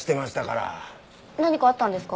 何かあったんですか？